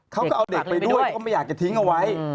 เขาก็เอาเด็กไปด้วยเพราะไม่อยากจะทิ้งเอาไว้